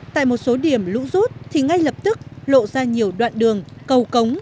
tại một số điểm lũ rút thì ngay lập tức lộ ra nhiều đoạn đường cầu cống